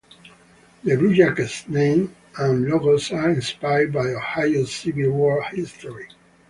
The Blue Jackets' name and logos are inspired by Ohio's Civil War history.